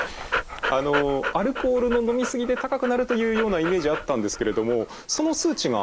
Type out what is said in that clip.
あのアルコールの飲み過ぎで高くなるというようなイメージあったんですけれどもその数値がヒントになるんですか？